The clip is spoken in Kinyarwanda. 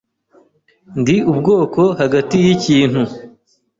Ndi ubwoko hagati yikintu.